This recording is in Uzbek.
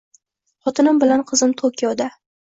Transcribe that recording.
Xotinim bilan qizim Tokioda